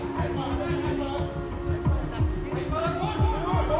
สวัสดีครับ